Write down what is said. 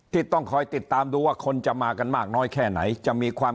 ต้องคอยติดตามดูว่าคนจะมากันมากน้อยแค่ไหนจะมีความ